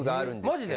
マジで？